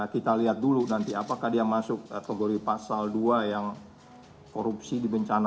kita lihat dulu nanti apakah dia masuk kategori pasal dua yang korupsi di bencana